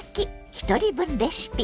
ひとり分レシピ」。